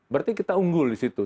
berarti kita unggul di situ